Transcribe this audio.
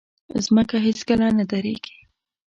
مځکه هیڅکله نه دریږي.